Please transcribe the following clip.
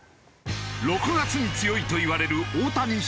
「６月に強い」といわれる大谷翔平。